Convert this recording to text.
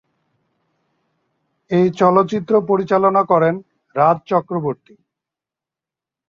এই চলচ্চিত্র পরিচালনা করেন রাজ চক্রবর্তী।